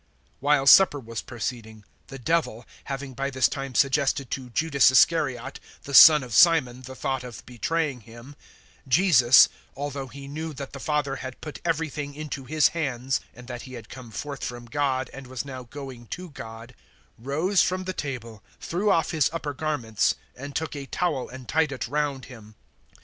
013:002 While supper was proceeding, the Devil having by this time suggested to Judas Iscariot, the son of Simon, the thought of betraying Him, Jesus, 013:003 although He knew that the Father had put everything into His hands, and that He had come forth from God and was now going to God, 013:004 rose from the table, threw off His upper garments, and took a towel and tied it round Him.